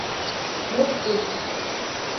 ერთ წუთიც